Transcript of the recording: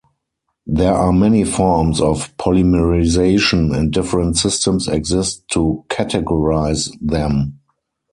There are many forms of polymerization and different systems exist to categorize them.